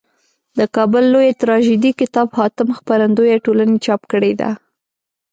دکابل لویه تراژیدي کتاب حاتم خپرندویه ټولني چاپ کړیده.